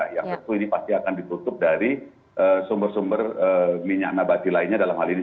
yang tentu ini pasti akan ditutup dari sumber sumber minyak nabati lainnya dalam hal ini